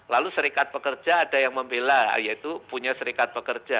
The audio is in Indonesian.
lalu serikat pekerja ada yang membela yaitu punya serikat pekerja